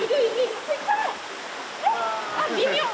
あっ微妙。